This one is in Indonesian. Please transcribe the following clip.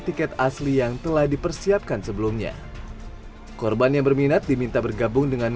tiket asli yang telah dipersiapkan sebelumnya korban yang berminat diminta bergabung dengan